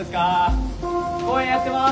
公演やってます。